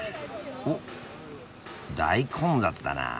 おっ大混雑だな。